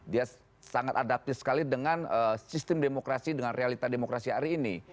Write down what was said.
dia sangat adaptif sekali dengan sistem demokrasi dengan realita demokrasi hari ini